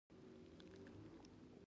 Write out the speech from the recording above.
لویدیځ د دوی په اټومي پروګرام شک لري.